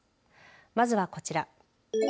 まずはこちら。